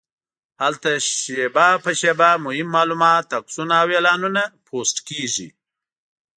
هلته شېبه په شېبه مهم معلومات، عکسونه او اعلانونه پوسټ کېږي.